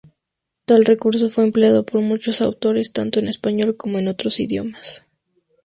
Tal recurso fue empleado por muchos autores, tanto en español como en otros idiomas.